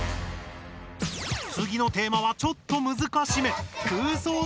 つぎのテーマはちょっとむずかしめ。